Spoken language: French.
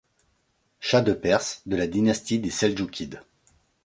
Shah de Perse, de la dynastie des Seldjoukides.